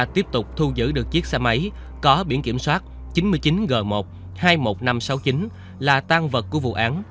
tiếp tục thu giữ được chiếc xe máy có biển kiểm soát chín mươi chín g một hai mươi một nghìn năm trăm sáu mươi chín là tăng vật của vụ án